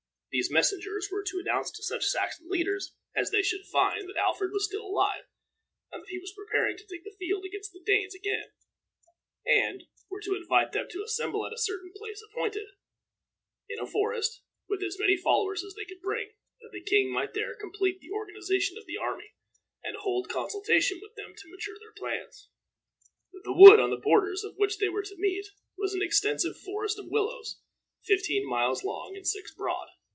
These messengers were to announce to such Saxon leaders as they should find that Alfred was still alive, and that he was preparing to take the field against the Danes again; and were to invite them to assemble at a certain place appointed, in a forest, with as many followers as they could bring, that the king might there complete the organization of an army, and hold consultation with them to mature their plans. The wood on the borders of which they were to meet was an extensive forest of willows, fifteen miles long and six broad.